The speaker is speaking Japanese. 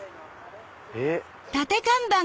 えっ？